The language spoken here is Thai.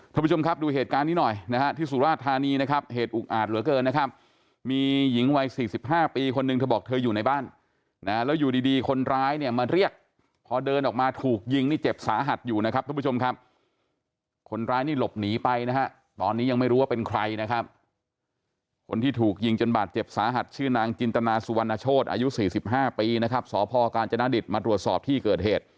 ท่านผู้ชมครับดูเหตุการณ์นี้หน่อยนะฮะที่สุราธารณีนะครับเหตุอุกอาจเหลือเกินนะครับมีหญิงวัย๔๕ปีคนหนึ่งเธอบอกเธออยู่ในบ้านแล้วอยู่ดีคนร้ายเนี่ยมาเรียกพอเดินออกมาถูกยิงนี่เจ็บสาหัสอยู่นะครับท่านผู้ชมครับคนร้ายนี่หลบหนีไปนะฮะตอนนี้ยังไม่รู้ว่าเป็นใครนะครับคนที่ถูกยิงจนบาดเจ็บสาหัสชื่